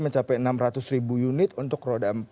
mencapai enam ratus ribu unit untuk roda empat